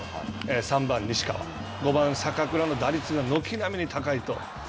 ３番西川、５番坂倉の打率が軒並みに高いと。